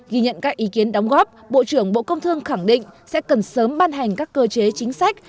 ghi nhận các ý kiến đóng góp bộ trưởng bộ công thương khẳng định sẽ cần sớm ban hành các cơ chế chính sách